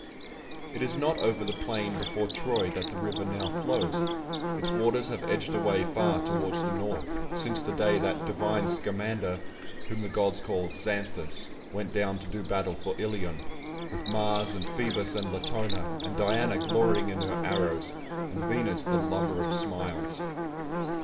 It is not over the plain before Troy that the river now flows; its waters have edged away far towards the north, since the day that "divine Scamander" (whom the gods call Xanthus) went down to do battle for Ilion, "with Mars, and Phoebus, and Latona, and Diana glorying in her arrows, and Venus the lover of smiles."